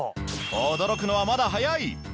驚くのはまだ早い！